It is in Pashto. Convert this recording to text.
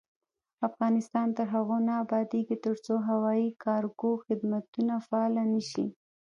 افغانستان تر هغو نه ابادیږي، ترڅو هوایي کارګو خدمتونه فعال نشي.